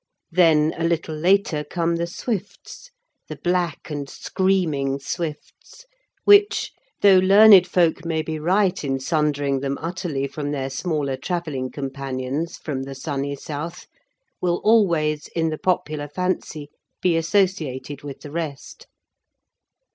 Then, a little later, come the swifts the black and screaming swifts which, though learned folk may be right in sundering them utterly from their smaller travelling companions from the sunny south, will always in the popular fancy be associated with the rest.